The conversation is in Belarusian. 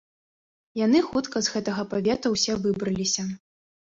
Яны хутка з гэтага павета ўсе выбраліся.